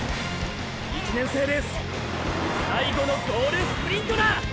１年生レース最後のゴールスプリントだ！